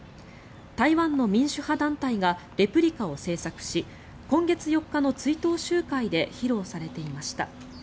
台湾の民主派団体がレプリカを製作し今月４日の追悼集会で披露されていました。